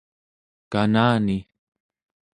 kanani